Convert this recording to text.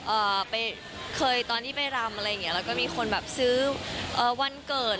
เอ่อไปเคยตอนที่ไปรำอะไรอย่างเงี้แล้วก็มีคนแบบซื้อเอ่อวันเกิด